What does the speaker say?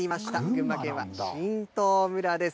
群馬県は榛東村です。